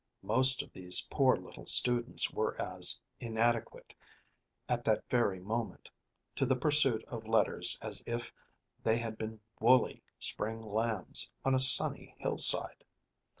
Most of these poor little students were as inadequate, at that weary moment, to the pursuit of letters as if they had been woolly spring lambs on a sunny hillside.